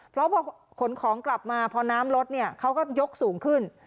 เพราะพอขนของกลับมาพอน้ำลดเนี่ยเขาก็ยกสูงขึ้น